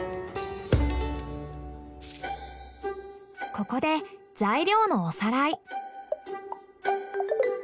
ここで材料のおさらい。